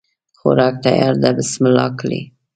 خوراک تیار ده بسم الله کړی